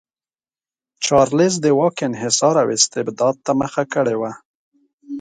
چارلېز د واک انحصار او استبداد ته مخه کړې وه.